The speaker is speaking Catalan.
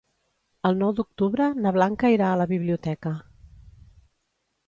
El nou d'octubre na Blanca irà a la biblioteca.